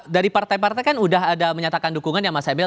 dari partai partai kan udah ada menyatakan dukungan ya mas emil